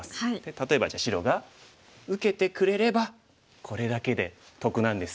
例えばじゃあ白が受けてくれればこれだけで得なんです。